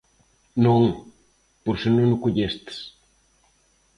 Non, por se non o collestes.